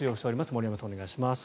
森山さん、お願いします。